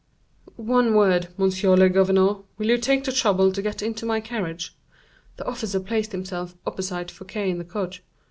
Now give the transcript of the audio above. "One word, monsieur le governeur, will you take the trouble to get into my carriage?" The officer placed himself opposite Fouquet in the coach.